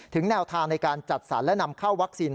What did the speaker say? แนวทางในการจัดสรรและนำเข้าวัคซีน